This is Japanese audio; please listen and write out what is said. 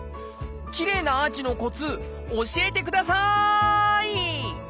きれいなアーチのコツ教えてください！